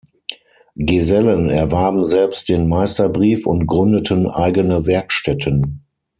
Gesellen erwarben selbst den Meisterbrief und gründeten eigene Werkstätten.